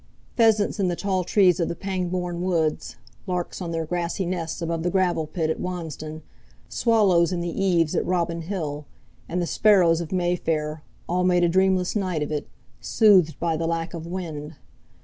Pheasants in the tall trees of the Pangbourne woods, larks on their grassy nests above the gravel pit at Wansdon, swallows in the eaves at Robin Hill, and the sparrows of Mayfair, all made a dreamless night of it, soothed by the lack of wind.